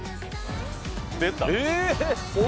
出た。